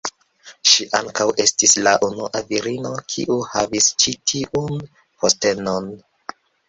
Ŝi ankaŭ estis la unua virino kiu havis ĉi-tiun postenon.